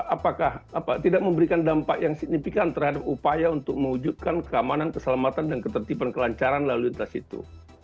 apakah tidak memberikan dampak yang signifikan terhadap upaya untuk mewujudkan keamanan keselamatan dan ketertiban kelancaran lalu lintas itu